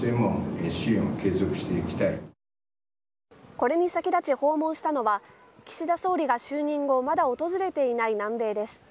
これに先立ち訪問したのは岸田総理が就任後まだ訪れていない南米です。